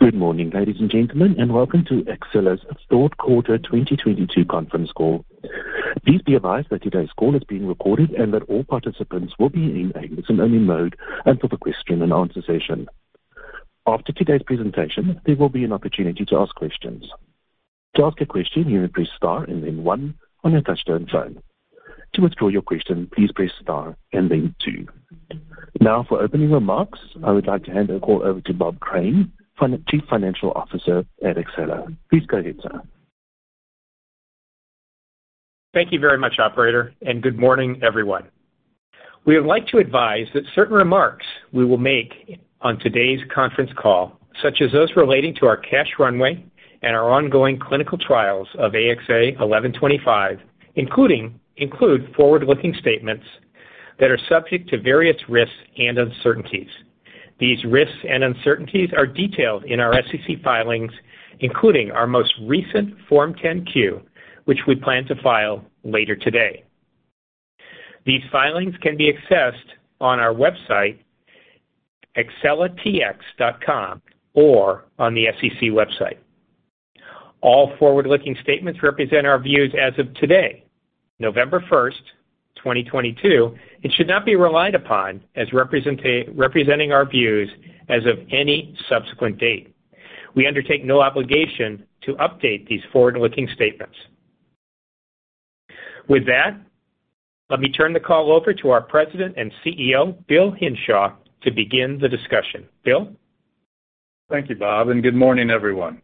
Good morning, ladies and gentlemen, and Welcome to Axcella's Third Quarter 2022 Conference Call. Please be advised that today's call is being recorded and that all participants will be in a listen-only mode until the question and answer session. After today's presentation, there will be an opportunity to ask questions. To ask a question, you may press star and then one on your touch-tone phone. To withdraw your question, please press star and then two. Now for opening remarks, I would like to hand the call over to Bob Crane, Chief Financial Officer at Axcella. Please go ahead, sir. Thank you very much, operator, and good morning, everyone. We would like to advise that certain remarks we will make on today's conference call, such as those relating to our cash runway and our ongoing clinical trials of AXA1125 include forward-looking statements that are subject to various risks and uncertainties. These risks and uncertainties are detailed in our SEC filings, including our most recent Form 10-Q, which we plan to file later today. These filings can be accessed on our website, axcellatx.com, or on the SEC website. All forward-looking statements represent our views as of today, November 1st, 2022, and should not be relied upon as representing our views as of any subsequent date. We undertake no obligation to update these forward-looking statements. With that, let me turn the call over to our President and CEO, Bill Hinshaw, to begin the discussion. Bill? Thank you, Bob, and good morning, everyone.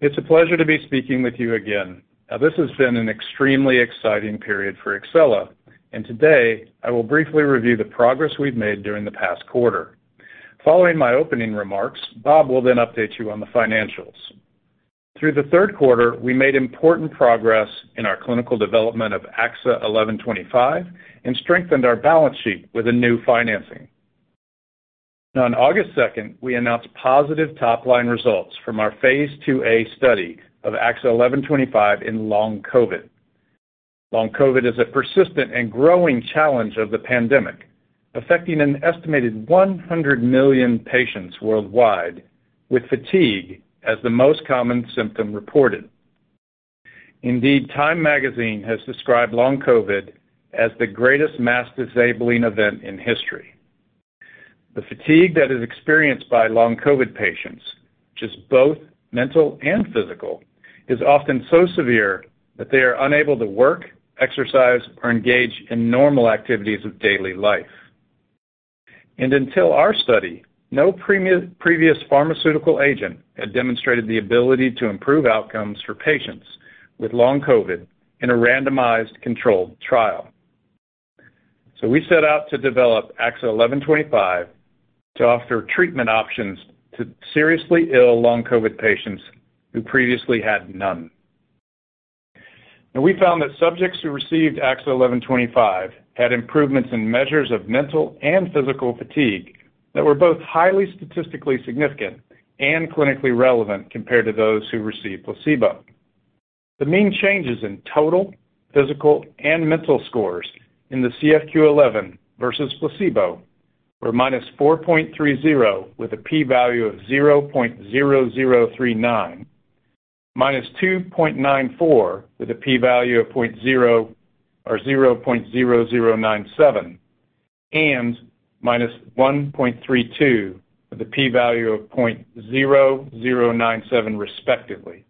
It's a pleasure to be speaking with you again. This has been an extremely exciting period for Axcella, and today I will briefly review the progress we've made during the past quarter. Following my opening remarks, Bob will then update you on the financials. Through the third quarter, we made important progress in our clinical development of AXA1125 and strengthened our balance sheet with a new financing. Now on August 2nd, we announced positive top-line results from our phase 2a study of AXA1125 in Long COVID. Long COVID is a persistent and growing challenge of the pandemic, affecting an estimated 100 million patients worldwide, with fatigue as the most common symptom reported. Indeed, Time magazine has described Long COVID as the greatest mass disabling event in history. The fatigue that is experienced by Long COVID patients, which is both mental and physical, is often so severe that they are unable to work, exercise or engage in normal activities of daily life. Until our study, no previous pharmaceutical agent had demonstrated the ability to improve outcomes for patients with Long COVID in a randomized controlled trial. We set out to develop AXA1125 to offer treatment options to seriously ill Long COVID patients who previously had none. We found that subjects who received AXA1125 had improvements in measures of mental and physical fatigue that were both highly statistically significant and clinically relevant compared to those who received placebo. The mean changes in total physical and mental scores in the CFQ-11 vs placebo were -4.30 with a p-value of 0.0039, -2.94 with a p-value of 0.0097, and -1.32 with a p-value of 0.0097 respectively.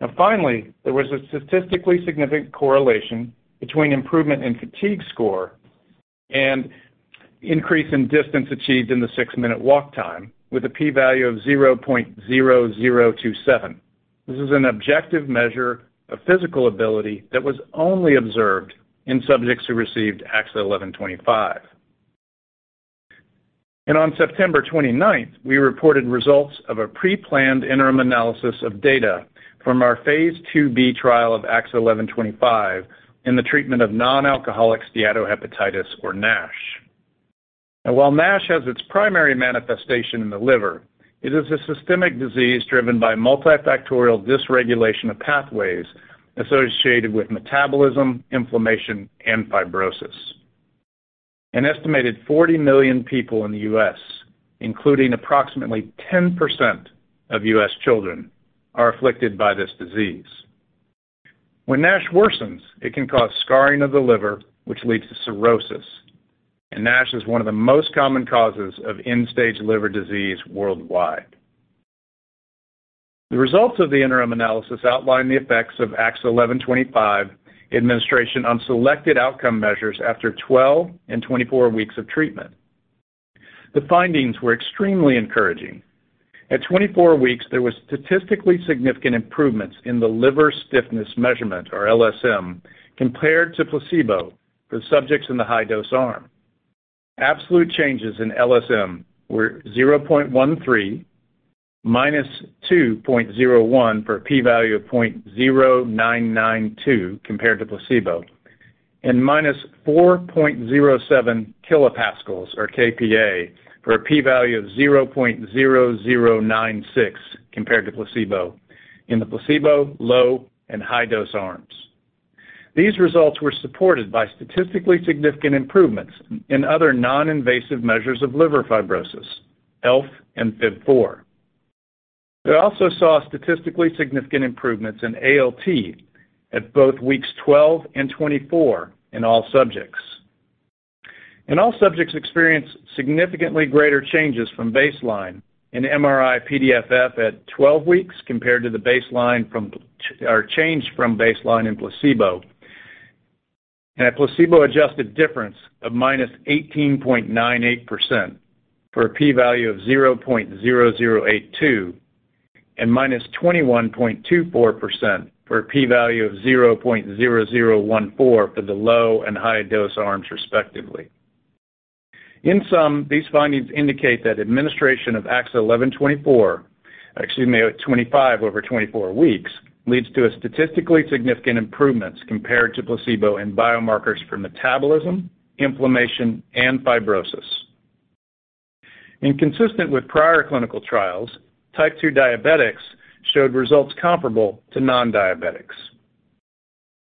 Now finally, there was a statistically significant correlation between improvement in fatigue score and increase in distance achieved in the Six-Minute Walk Test with a p-value of 0.0027. This is an objective measure of physical ability that was only observed in subjects who received AXA1125. On September twenty-ninth, we reported results of a pre-planned interim analysis of data from our phase IIb trial of AXA1125 in the treatment of Nonalcoholic Steatohepatitis or NASH. While NASH has its primary manifestation in the liver, it is a systemic disease driven by multifactorial dysregulation of pathways associated with metabolism, inflammation, and fibrosis. An estimated 40 million people in the U.S., including approximately 10% of U.S. children, are afflicted by this disease. When NASH worsens, it can cause scarring of the liver, which leads to cirrhosis, and NASH is one of the most common causes of end-stage liver disease worldwide. The results of the interim analysis outlined the effects of AXA1125 administration on selected outcome measures after 12 and 24 weeks of treatment. The findings were extremely encouraging. At 24 weeks, there was statistically significant improvements in the Liver Stiffness Measurement or LSM compared to placebo for subjects in the high-dose-arm. Absolute changes in LSM were 0.13, -2.01 for a p-value of 0.0992 compared to placebo, and -4.07 kPa for a p-value of 0.0096 compared to placebo in the placebo, low and high-dose-arms. these results were supported by statistically significant improvements in other non-invasive measures of liver fibrosis, ELF and FIB-4. We also saw statistically significant improvements in ALT at both weeks 12 and 24 in all subjects. All subjects experienced significantly greater changes from baseline in MRI-PDFF at 12 weeks compared to the change from baseline in placebo. A placebo adjusted difference of -18.98% for a p-value of 0.0082, and -21.24% for a p-value of 0.0014 for the low and high-dose-arms respectively. In sum, these findings indicate that administration of AXA1125 over 24 weeks leads to a statistically significant improvements compared to placebo in biomarkers for metabolism, inflammation, and fibrosis. Consistent with prior clinical trials, type two diabetics showed results comparable to non-diabetics.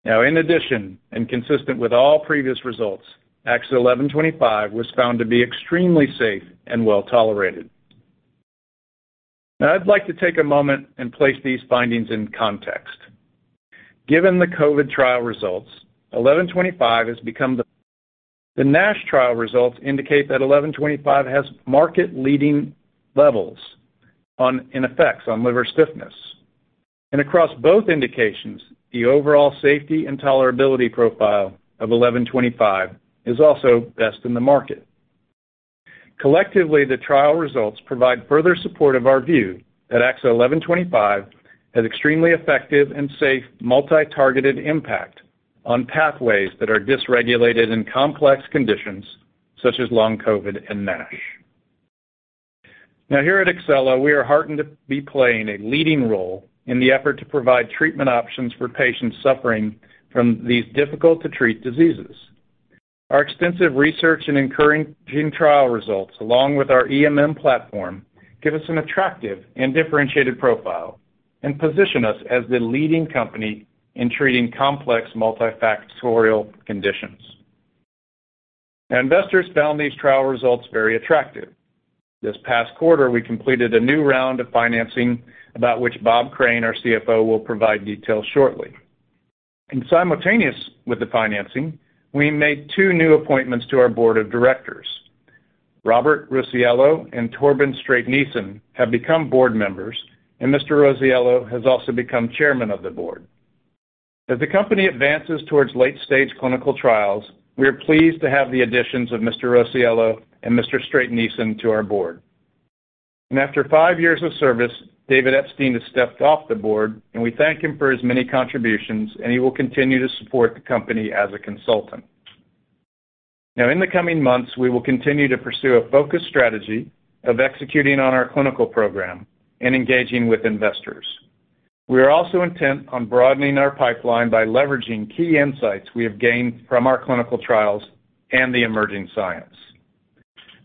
Now in addition, and consistent with all previous results, AXA1125 was found to be extremely safe and well-tolerated. Now I'd like to take a moment and place these findings in context. Given the COVID trial results, 1125 has become the. The NASH trial results indicate that AXA1125 has market-leading levels on and effects on liver stiffness. Across both indications, the overall safety and tolerability profile of AXA1125 is also best in the market. Collectively, the trial results provide further support of our view that AXA1125 has extremely effective and safe multi-targeted impact on pathways that are dysregulated in complex conditions such as Long COVID and NASH. Now here at Axcella, we are heartened to be playing a leading role in the effort to provide treatment options for patients suffering from these difficult to treat diseases. Our extensive research and encouraging trial results, along with our EMM platform, give us an attractive and differentiated profile and position us as the leading company in treating complex multifactorial conditions. Investors found these trial results very attractive. This past quarter, we completed a new round of financing about which Bob Crane, our CFO, will provide details shortly. Simultaneous with the financing, we made two new appointments to our Board of Directors. Robert Rusiecki and Torben Strætkvern have become Board members, and Mr. Rusiecki has also become Chairman of the Board. As the company advances towards late-stage clinical trials, we are pleased to have the additions of Mr. Rusiecki and Mr. Strætkvern to our Board. After five years of service, David Epstein has stepped off the Board, and we thank him for his many contributions, and he will continue to support the company as a consultant. Now in the coming months, we will continue to pursue a focused strategy of executing on our clinical program and engaging with investors. We are also intent on broadening our pipeline by leveraging key insights we have gained from our clinical trials and the emerging science.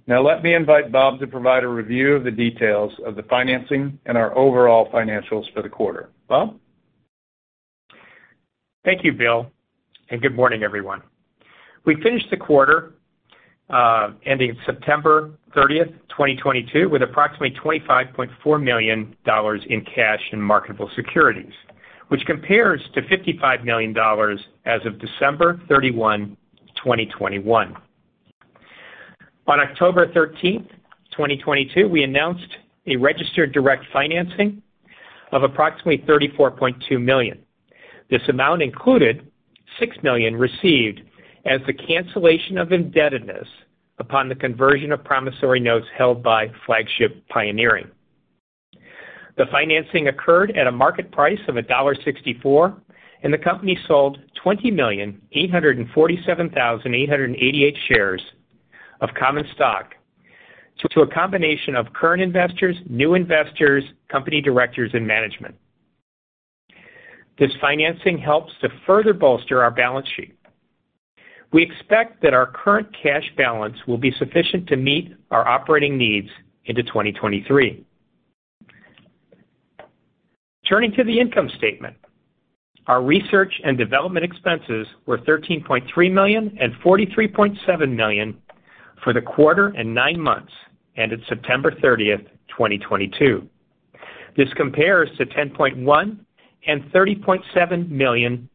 Now let me invite Bob to provide a review of the details of the financing and our overall financials for the quarter. Bob? Thank you, Bill, and good morning, everyone. We finished the quarter ending September 30, 2022, with approximately $25.4 million in cash and marketable securities, which compares to $55 million as of December 31, 2021. On October 13, 2022, we announced a registered direct financing of approximately $34.2 million. This amount included $6 million received as the cancellation of indebtedness upon the conversion of promissory notes held by Flagship Pioneering. The financing occurred at a market price of $1.64, and the company sold 20,847,888 shares of common stock to a combination of current investors, new investors, company directors, and management. This financing helps to further bolster our balance sheet. We expect that our current cash balance will be sufficient to meet our operating needs into 2023. Turning to the income statement. Our research and development expenses were $13.3 million and $43.7 million for the quarter and nine months ended September 30, 2022. This compares to $10.1 million and $30.7 million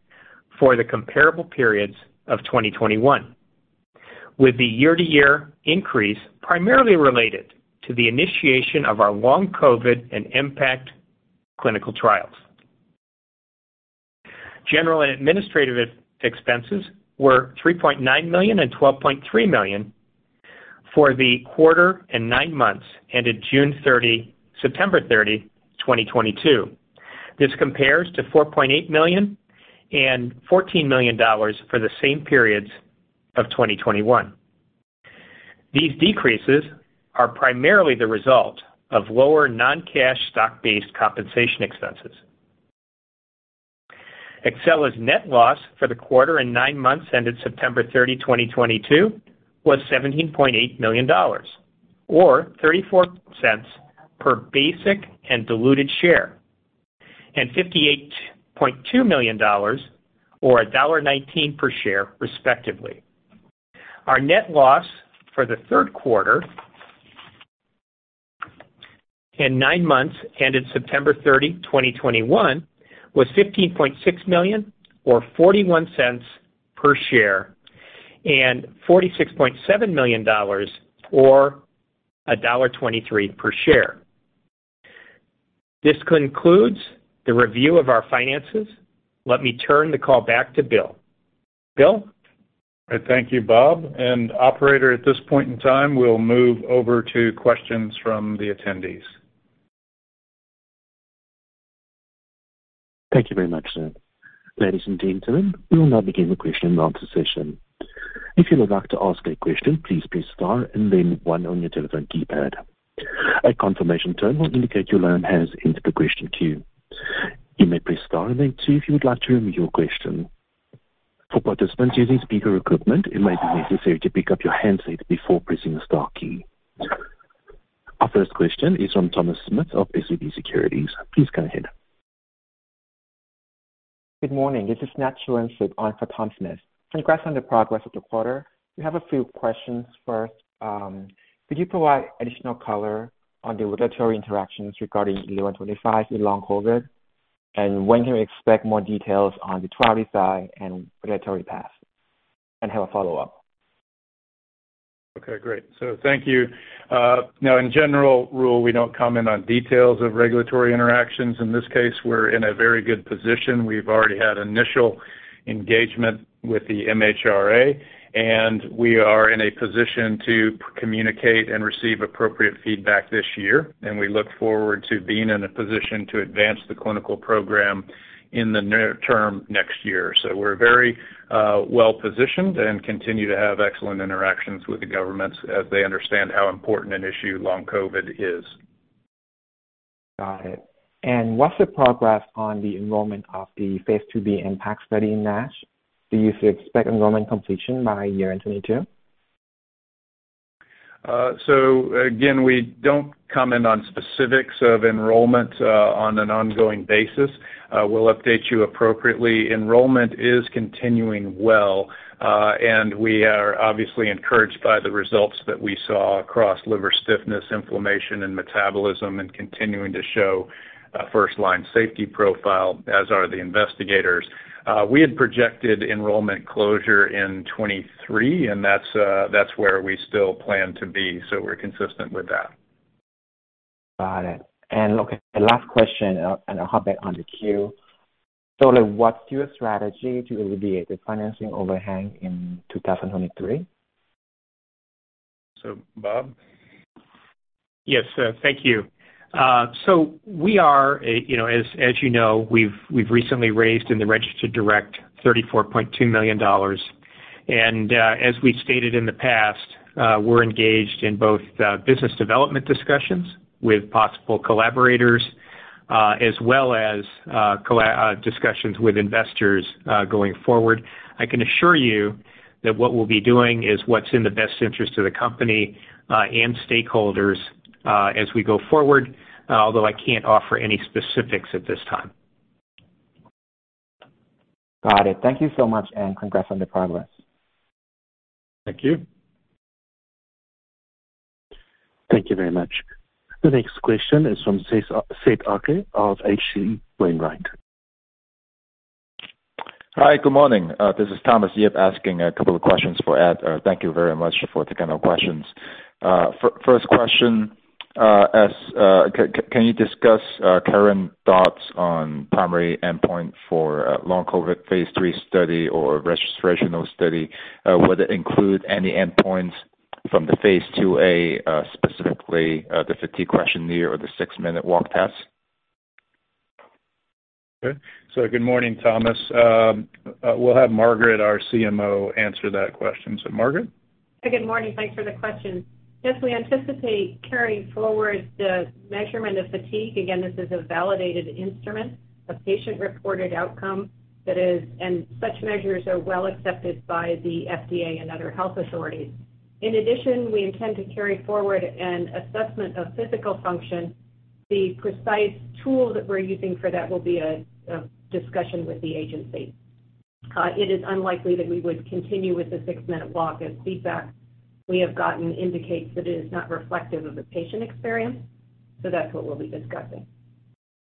for the comparable periods of 2021, with the year-to-year increase primarily related to the initiation of our Long COVID and EMMPACT clinical trials. General and administrative expenses were $3.9 million and $12.3 million for the quarter and nine months ended September 30, 2022. This compares to $4.8 million and $14 million for the same periods of 2021. These decreases are primarily the result of lower non-cash stock-based compensation expenses. Axcella's net loss for the quarter and nine months ended September 30, 2022 was $17.8 million, or $0.34 per basic and diluted share, and $58.2 million, or $1.19 per share, respectively. Our net loss for the third quarter and nine months ended September 30, 2021 was $15.6 million, or $0.41 per share, and $46.7 million, or $1.23 per share. This concludes the review of our finances. Let me turn the call back to Bill. Bill? I thank you, Bob. Operator, at this point in time, we'll move over to questions from the attendees. Thank you very much, sir. Ladies and gentlemen, we will now begin the question and answer session. If you would like to ask a question, please press star and then one on your telephone keypad. A confirmation tone will indicate your line has entered the question queue. You may press star and then two if you would like to remove your question. For participants using speaker equipment, it might be necessary to pick up your handset before pressing the star key. Our first question is from Thomas Smith of SVB Securities. Please go ahead. Good morning. This is Nat on for Thomas Smith. Congrats on the progress of the quarter. We have a few questions. First, could you provide additional color on the regulatory interactions regarding AXA1125 in Long COVID? When can we expect more details on the trial design and regulatory path? I have a follow-up. Okay, great. Thank you. In general, we don't comment on details of regulatory interactions. In this case, we're in a very good position. We've already had initial engagement with the MHRA, and we are in a position to communicate and receive appropriate feedback this year. We look forward to being in a position to advance the clinical program in the near term next year. We're very well-positioned and continue to have excellent interactions with the governments as they understand how important an issue Long COVID is. Got it. What's the progress on the enrollment of the phase IIb EMMPACT study in NASH? Do you still expect enrollment completion by 2022? Again, we don't comment on specifics of enrollment on an ongoing basis. We'll update you appropriately. Enrollment is continuing well, and we are obviously encouraged by the results that we saw across liver stiffness, inflammation and metabolism and continuing to show a first-line safety profile, as are the investigators. We had projected enrollment closure in 2023, and that's where we still plan to be. We're consistent with that. Got it. Okay, the last question, and I'll hop back on the queue. Like, what's your strategy to alleviate the financing overhang in 2023? Bob? Yes, thank you. So, as you know, we've recently raised $34.2 million in the Registered Direct Offering. As we stated in the past, we're engaged in both business development discussions with possible collaborators as well as discussions with investors going forward. I can assure you that what we'll be doing is what's in the best interest of the company and stakeholders as we go forward, although I can't offer any specifics at this time. Got it. Thank you so much, and congrats on the progress. Thank you. Thank you very much. The next question is from Sagar Ake of H.C. Wainwright & Co. Hi. Good morning. This is Thomas Yip asking a couple of questions for Eke. Thank you very much for taking our questions. First question, can you discuss current thoughts on primary endpoint for long COVID phase III study or registrational study, would it include any endpoints from the phase IIa, specifically, the fatigue questionnaire or the Six-Minute Walk Test? Okay. Good morning, Thomas. We'll have Margaret, our CMO, answer that question. Margaret? Good morning. Thanks for the question. Yes, we anticipate carrying forward the measurement of fatigue. Again, this is a validated instrument, a patient-reported outcome. Such measures are well accepted by the FDA and other health authorities. In addition, we intend to carry forward an assessment of physical function. The precise tool that we're using for that will be a discussion with the agency. It is unlikely that we would continue with the Six-Minute Walk as feedback we have gotten indicates that it is not reflective of the patient experience, so that's what we'll be discussing.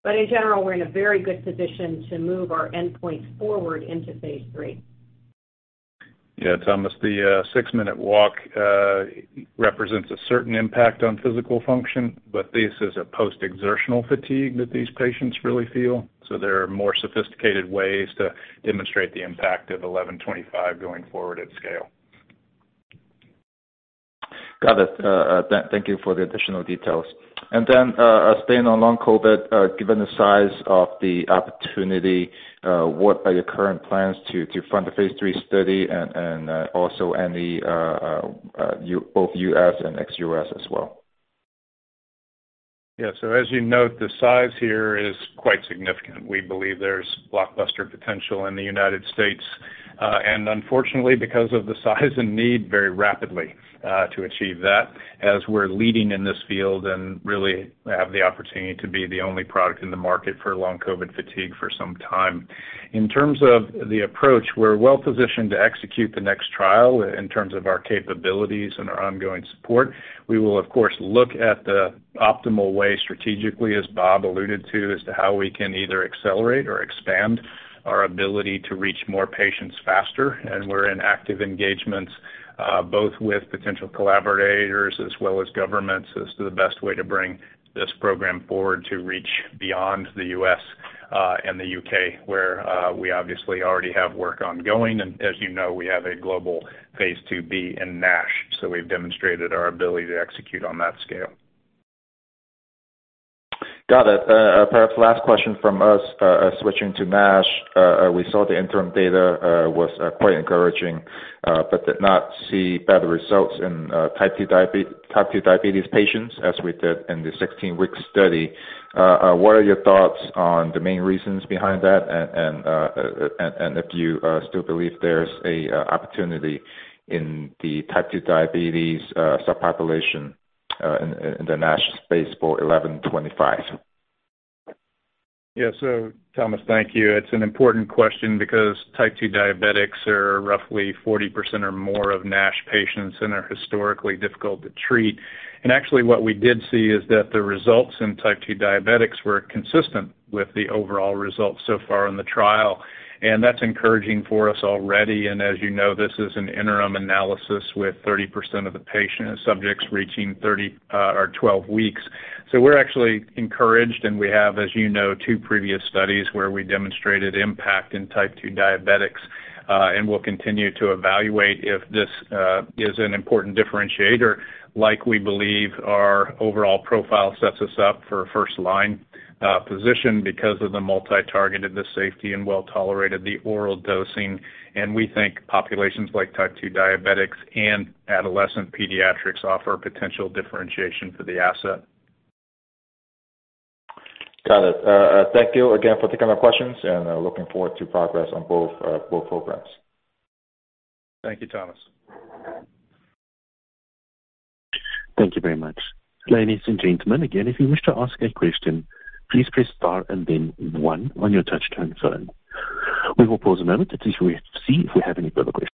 In general, we're in a very good position to move our endpoints forward into phase III. Yeah, Thomas, the Six-Minute Walk represents a certain impact on physical function, but this is a post-exertional fatigue that these patients really feel. There are more sophisticated ways to demonstrate the impact of 1125 going forward at scale. Got it. Thank you for the additional details. Staying on Long COVID, given the size of the opportunity, what are your current plans to fund the phase three study and both U.S. and ex-U.S. as well? Yeah. As you note, the size here is quite significant. We believe there's blockbuster potential in the United States, and unfortunately because of the size and need very rapidly, to achieve that as we're leading in this field and really have the opportunity to be the only product in the market for Long COVID fatigue for some time. In terms of the approach, we're well-positioned to execute the next trial in terms of our capabilities and our ongoing support. We will of course look at the optimal way strategically, as Bob alluded to, as to how we can either accelerate or expand our ability to reach more patients faster. We're in active engagements, both with potential collaborators as well as governments as to the best way to bring this program forward to reach beyond the U.S., and the U.K., where we obviously already have work ongoing. As you know, we have a global phase IIb in NASH. We've demonstrated our ability to execute on that scale. Got it. Perhaps the last question from us, switching to NASH. We saw the interim data was quite encouraging, but did not see better results in type 2 diabetes patients as we did in the 16-week study. What are your thoughts on the main reasons behind that? And if you still believe there's an opportunity in the type 2 diabetes subpopulation in the NASH space for 1125? Yeah. Thomas, thank you. It's an important question because type 2 diabetics are roughly 40% or more of NASH patients and are historically difficult to treat. Actually what we did see is that the results in type 2 diabetics were consistent with the overall results so far in the trial. That's encouraging for us already. As you know, this is an interim analysis with 30% of the patient subjects reaching 30 or 12 weeks. We're actually encouraged, and we have, as you know, two previous studies where we demonstrated EMMPACT in type 2 diabetics, and we'll continue to evaluate if this is an important differentiator, like we believe our overall profile sets us up for a first-line position because of the multi-targeted, the safety, and well-tolerated, the oral dosing. We think populations like type 2 diabetics and adolescent pediatrics offer potential differentiation for the asset. Got it. Thank you again for taking my questions, and looking forward to progress on both programs. Thank you, Thomas. Thank you very much. Ladies and gentlemen, again, if you wish to ask a question, please press star and then one on your touchtone phone. We will pause a moment to see if we have any further questions.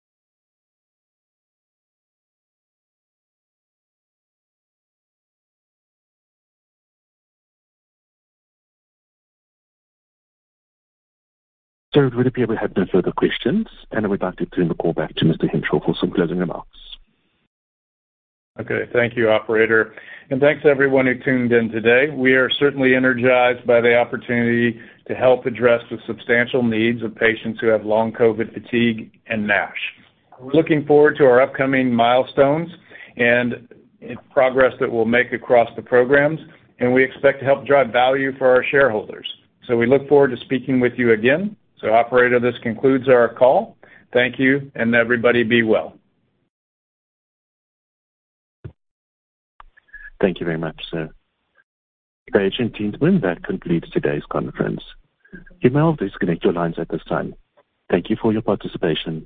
Sir, it would appear we have no further questions, and I would like to turn the call back to Mr. Hinshaw for some closing remarks. Okay. Thank you, operator, and thanks to everyone who tuned in today. We are certainly energized by the opportunity to help address the substantial needs of patients who have Long COVID fatigue and NASH. We're looking forward to our upcoming milestones and progress that we'll make across the programs, and we expect to help drive value for our shareholders. We look forward to speaking with you again. Operator, this concludes our call. Thank you, and everybody be well. Thank you very much, sir. Ladies and gentlemen, that concludes today's conference. You may all disconnect your lines at this time. Thank you for your participation.